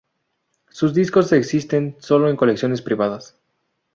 Sus discos existen solo en colecciones privadas.